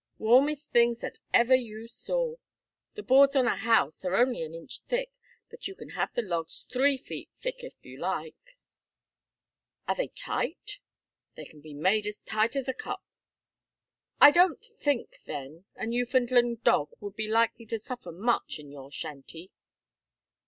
"Warmest things that ever you saw. The boards on a house are only an inch thick, but you can have the logs three feet thick, if you like." "Are they tight?" "They can be made as tight as a cup." "I don't think, then, a Newfoundland dog would be likely to suffer much in your shanty."